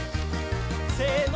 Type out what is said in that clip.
せの！